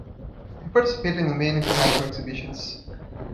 He participated in many international exhibitions.